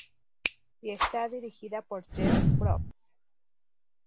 Y está dirigida por Jeff Probst.